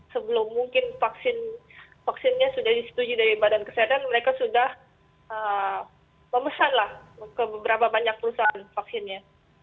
sebelum mungkin vaksinnya sudah disetujui dari badan kesehatan mereka sudah memesan lah ke beberapa banyak perusahaan vaksinnya